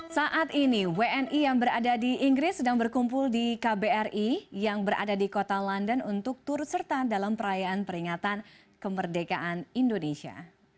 saat ini wni yang berada di inggris sedang berkumpul di kbri yang berada di kota london untuk turut serta dalam perayaan peringatan kemerdekaan indonesia